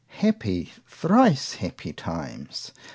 ———Happy! Thrice happy times!